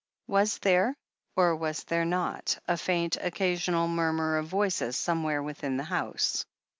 Was there, or was there not, a faint, occasional mur mur of voices somewhere within the house?